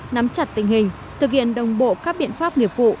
nắm chặt tình hình thực hiện đồng bộ các biện pháp nghiệp vụ